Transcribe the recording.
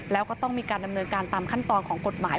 แล้วก็ต้องมีการดำเนินการตามขั้นตอนของกฎหมาย